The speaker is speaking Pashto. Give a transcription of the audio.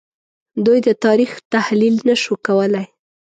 دوی د تاریخ تحلیل نه شو کولای